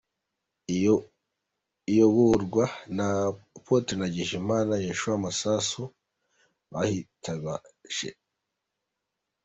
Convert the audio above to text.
iyoborwa na Apôtre Ndagijimana Joshua Masasu. Bahitabaje